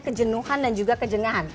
kejengahan dan kejenuhan